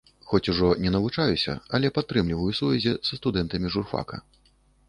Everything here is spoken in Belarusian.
Хоць ужо не навучаюся, але падтрымліваю сувязі са студэнтамі журфака.